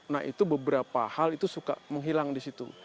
nah itu beberapa hal itu suka menghilang di situ